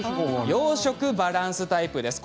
洋食バランスタイプです。